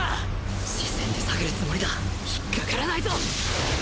視線で探るつもりだ。ひっかからないぞ！